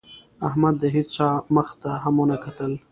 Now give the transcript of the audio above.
احمد د هېڅا مخ ته هم ونه کتل.